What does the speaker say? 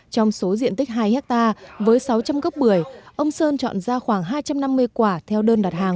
trong số diện tích hai hectare với sáu trăm linh gốc bưởi ông sơn chọn ra khoảng hai trăm năm mươi quả theo đơn đặt hàng